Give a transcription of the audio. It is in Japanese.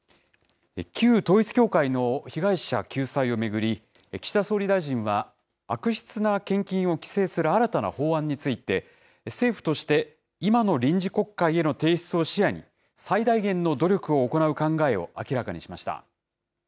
旧統一教会の被害者救済を巡り、岸田総理大臣は、悪質な献金を規制する新たな法案について、政府として、今の臨時国会への提出を視野に、最大限の努力を行う考えを明らかにしました。